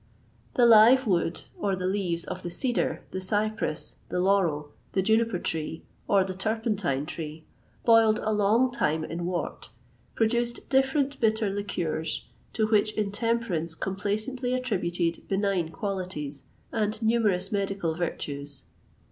[XXVIII 154] The live wood, or the leaves of the cedar, the cypress, the laurel, the juniper tree, or the turpentine tree, boiled a long time in wort, produced different bitter liqueurs, to which intemperance complacently attributed benign qualities and numerous medical virtues.